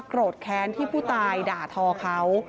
โกรธแค้นที่ผู้ตายด่าทอเขา